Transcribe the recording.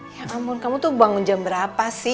ya ampun kamu tuh bangun jam berapa sih